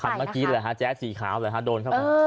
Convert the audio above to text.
คำเมื่อกี้แหละฮะแจ๊กสีขาวโดนเข้าไป